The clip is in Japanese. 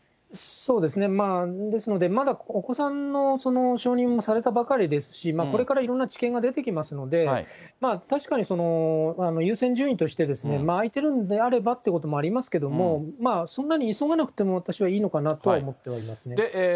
そうですね、ですので、まだお子さんの承認もされたばかりですし、これからいろんな知見が出てきますので、確かに優先順位として、空いてるんであればということもありますけれども、そんなに急がなくても私はいいのかなとは思っていますね。